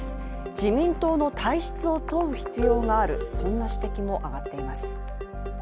自民党の体質を問う必要があるそんな指摘も上がっています。